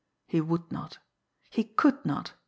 He would not! He could not!